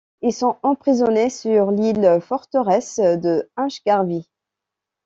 Ils sont emprisonnés sur l'île forteresse de Inchgarvie.